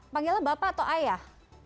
panggillah bapak atau ayah